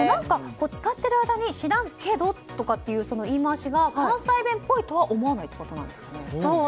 使っている間に知らんけどっていう言い回しが関西弁っぽいとは思わないってことなんですかね。